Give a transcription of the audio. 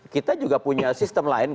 kita juga punya sistem lain